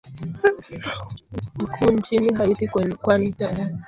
ni tisho jipwa kwa mji mkuu nchini haiti kwani tayari